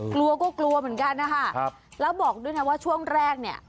กลัวก็กลัวเหมือนกันนะคะครับแล้วบอกด้วยนะว่าช่วงแรกเนี่ย